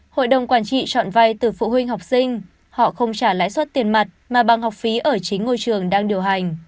hội đồng quản trị chọn vay từ phụ huynh học sinh họ không trả lãi suất tiền mặt mà bằng học phí ở chính ngôi trường đang điều hành